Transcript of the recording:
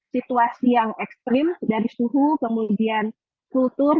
situasi yang ekstrim dari suhu kemudian kultur